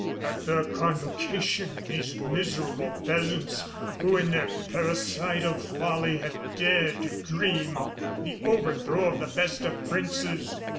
"At the convocation of these miserable peasants who, in their parricidal folly, have dared to dream of the overthrow of the best of princes!"